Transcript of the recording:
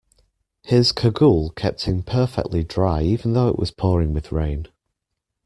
His cagoule kept him perfectly dry even though it was pouring with rain